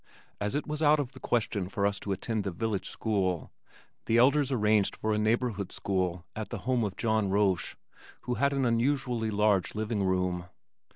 As it was out of the question for us to attend the village school the elders arranged for a neighborhood school at the home of John Roche, who had an unusually large living room.